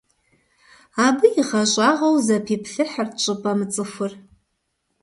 Абы игъэщӀагъуэу зэпиплъыхьырт щӀыпӏэ мыцӀыхур.